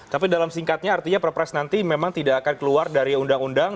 tapi dalam singkatnya artinya perpres nanti memang tidak akan keluar dari undang undang